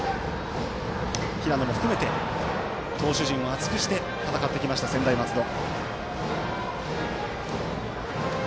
平野も含めて投手陣を厚くして戦ってきました、専大松戸。